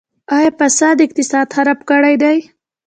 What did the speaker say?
آیا فساد اقتصاد خراب کړی دی؟